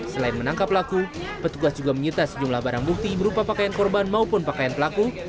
selain menangkap pelaku petugas juga menyita sejumlah barang bukti berupa pakaian korban maupun pakaian pelaku